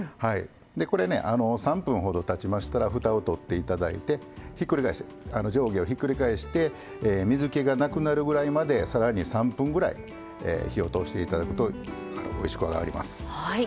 これね３分ほどたちましたらふたを取って頂いて上下をひっくり返して水けがなくなるぐらいまでさらに３分ぐらい火を通して頂くとおいしくあがります。